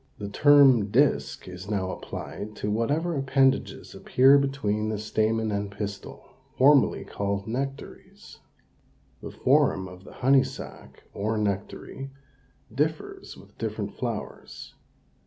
The term disk is now applied to whatever appendages appear between the stamen and pistil, formerly called nectaries. The form of the honey sac, or nectary, differs with different flowers.